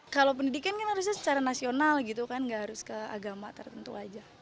kalau pendidikan harusnya secara nasional nggak harus ke agama tertentu saja